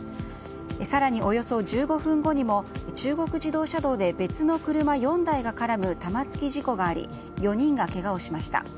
更に、およそ１５分後にも中国自動車道で別の車４台が絡む玉突き事故があり４人がけがをしました。